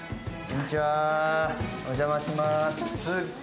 お邪魔しまーす。